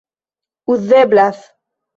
uzeblas